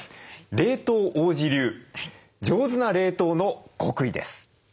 冷凍王子流上手な冷凍の極意です。